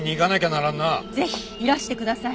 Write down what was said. ぜひいらしてください